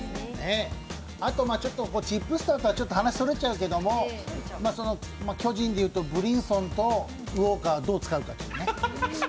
あと、チップスターとは話、それちゃうけど巨人でいうとブリンソンとウォーターをどう使うか。